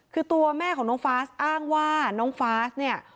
คือตัวแม่ของน้องฟาสอ้างว่าน้องฟาสเนี่ย